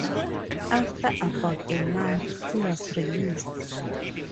After about a month, he was released.